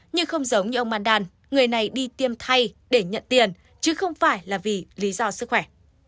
nhưng không giống như ông mandan người này đi tiêm thay để nhận tiền chứ không phải là vì lý do sức khỏe